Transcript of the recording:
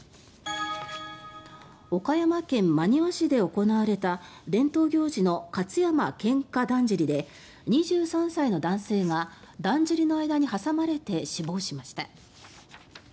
岡山県真庭市で行われた伝統行事の勝山喧嘩だんじりで２３歳の男性がだんじりの間に挟まれて死亡しました。